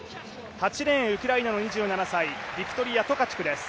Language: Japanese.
８レーンウクライナの２７歳ビクトリヤ・トカチュクです。